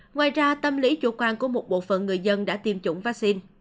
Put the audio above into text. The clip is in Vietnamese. ngoài ra tâm lý chủ quan của một bộ phận người dân đã tiêm chủng vaccine